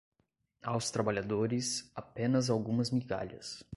Aos trabalhadores, apenas algumas migalhas